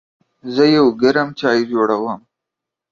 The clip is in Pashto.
زه یو ګرم چای جوړوم.